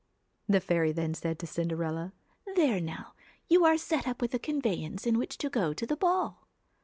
The fairy then said to Cinderella :' There now, you are set up with a conveyance in which to go to the ball.'